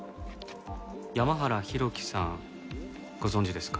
山原浩喜さんご存じですか？